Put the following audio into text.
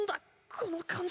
この感じ。